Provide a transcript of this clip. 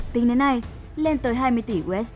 tính đến nay lên tới hai mươi tỷ usd